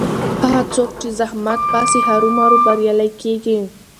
هغه څوک چې زحمت باسي هرو مرو بریالی کېږي.